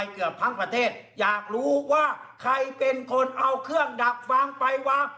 เกือบทั้งประเทศอยากรู้ว่าใครเป็นคนเอาเครื่องดักฟังไปวาง